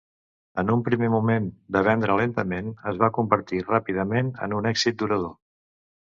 En un primer moment de vendre lentament, es va convertir ràpidament en un èxit durador.